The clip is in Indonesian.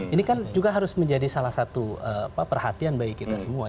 ini kan juga harus menjadi salah satu perhatian bagi kita semua